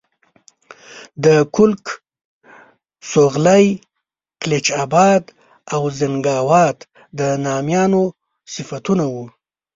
د کُلک، سولغی، کلچ آباد او زنګاوات د نامیانو صفتونه وو.